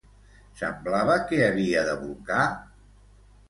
Semblava que havia de bolcar?